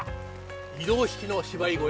移動式の芝居小屋